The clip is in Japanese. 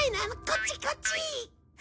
こっちこっち！